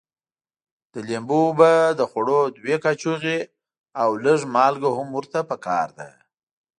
د لیمو اوبه د خوړو دوه کاشوغې او لږ مالګه هم ورته پکار ده.